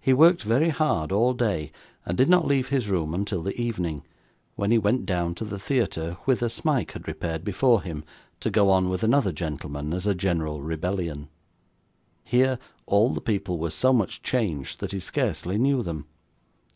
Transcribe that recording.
He worked very hard all day, and did not leave his room until the evening, when he went down to the theatre, whither Smike had repaired before him to go on with another gentleman as a general rebellion. Here all the people were so much changed, that he scarcely knew them.